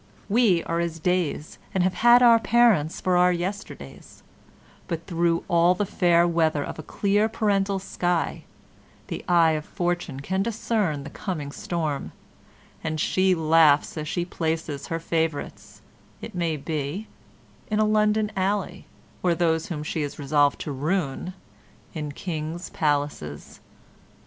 We are as days and have had our parents for our yesterdays, but through all the fair weather of a clear parental sky the eye of Fortune can discern the coming storm, and she laughs as she places her favourites it may be in a London alley or those whom she is resolved to ruin in kings' palaces.